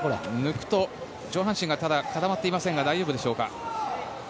上半身が固まっていませんが大丈夫でしょうか。